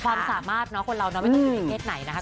ความสามารถคนเราน้องไม่ต้องอยู่ในเกษตรไหนนะคะ